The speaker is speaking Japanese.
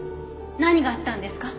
何があったんですか？